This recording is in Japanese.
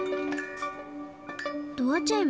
ドアチャイム？